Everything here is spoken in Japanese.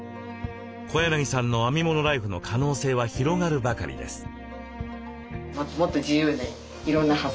小柳さんの編み物ライフの可能性は広がるばかりです。